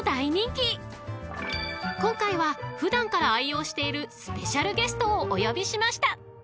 ［今回は普段から愛用しているスペシャルゲストをお呼びしました］